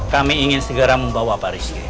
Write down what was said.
kami ingin segera membawa pak rizky